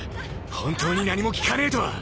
本当に何も聞かねえとは。